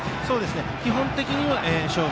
基本的には勝負。